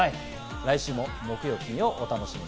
来週も木曜・金曜をお楽しみに。